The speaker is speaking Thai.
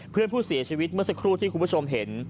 เพื่อนผู้เสียชีวิตเมื่อสักครู่ที่คุณผู้ชมเห็น